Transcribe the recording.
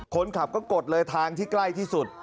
คนขับก็กดเลยทางที่ใกล้ที่สุด